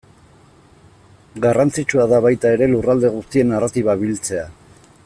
Garrantzitsua da baita ere lurralde guztien narratiba biltzea.